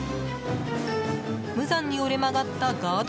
無残に折れ曲がったガード